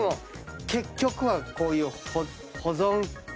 結局はこういう。